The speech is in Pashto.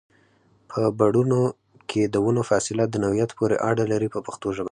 په بڼونو کې د ونو فاصله د نوعیت پورې اړه لري په پښتو ژبه.